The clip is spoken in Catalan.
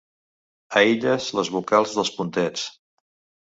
Aïlles les vocals dels puntets.